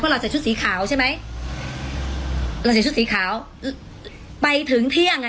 เราใส่ชุดสีขาวใช่ไหมเราใส่ชุดสีขาวไปถึงเที่ยงอ่ะ